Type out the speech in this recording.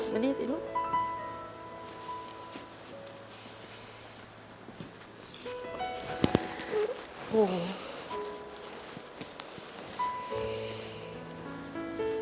มานี่สิลูก